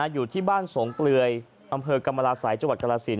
อยู่ที่บ้านสงเปลือยอำเภอกรรมราศัยจังหวัดกรสิน